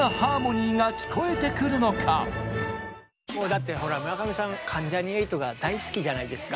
一体もうだってほら村上さん関ジャニ∞が大好きじゃないですか。